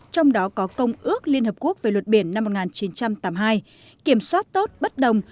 trong đó có công ước liên hợp quốc về luật biển năm một nghìn chín trăm tám mươi hai kiểm soát tốt bất đồng